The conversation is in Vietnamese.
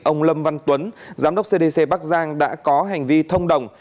ông lâm văn tuấn giám đốc cdc bắc giang đã có hành vi thông đồng